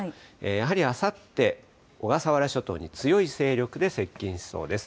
やはりあさって、小笠原諸島に強い勢力で接近しそうです。